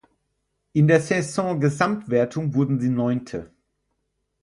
In der Saison-Gesamtwertung wurden sie Neunte.